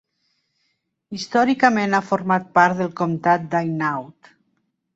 Històricament ha format part del comtat d'Hainaut.